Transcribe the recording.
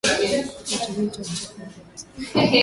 Kitu hicho chapendeza sana